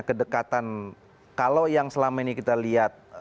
kedekatan kalau yang selama ini kita lihat